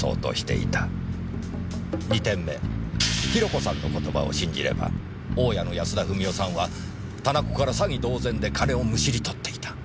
ヒロコさんの言葉を信じれば大家の安田富美代さんは店子から詐欺同然で金をむしり取っていた。